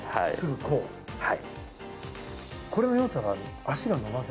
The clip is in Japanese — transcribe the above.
はい。